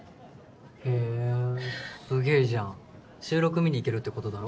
へぇすげぇじゃん収録見に行けるってことだろ。